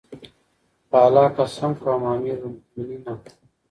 په الله قسم کوم امير المؤمنینه!